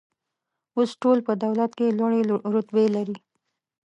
اوس ټول په دولت کې لوړې رتبې لري